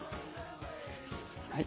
はい。